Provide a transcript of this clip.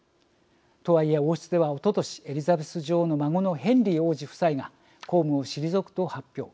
とはいえ王室ではおととしエリザベス女王の孫のヘンリー王子夫妻が公務を退くと発表。